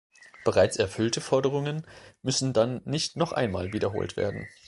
Bereits erfüllte Forderungen müssen dann nicht noch einmal wiederholt werden.